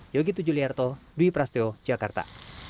yogi tujuliarto dwi prasetyo jakarta